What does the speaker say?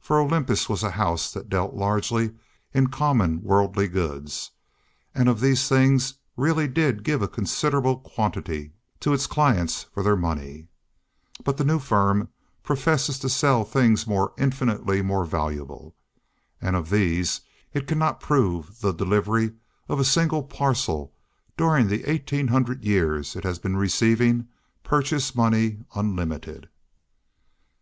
For Olympus was a house that dealt largely in common worldly goods, and of these things really did give a considerable quantity to its clients for their money; but the new firm professed to sell things infinitely more valuable, and of these it cannot prove the delivery of a single parcel during the eighteen hundred years it has been receiving purchase money unlimited.